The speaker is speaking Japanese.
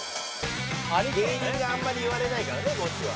芸人があんまり言われないからねこっちは。